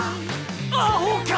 アホか！